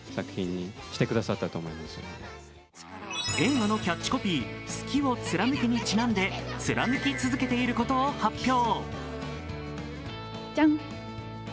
映画のキャッチコピー「好きを、つらぬけ」にちなんで、つらぬき続けていることを発表。